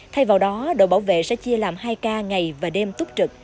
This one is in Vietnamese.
thay vào đó đội bảo vệ sẽ chia làm hai ca ngày và đêm túc trực